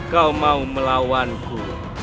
kau mau melawanku